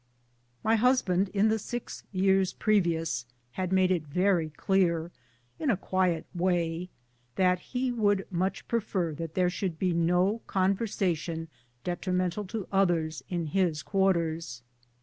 My husband, in the six years previous, had made it very clear, in a quiet way, that he would much prefer that there should be no conversation detrimental to others in his quarters.